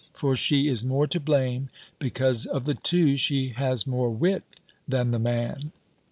For she is more to blame, because, of the two, she has more wit than the man.